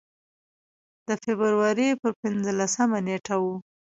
د فبروري پر پنځلسمه نېټه و.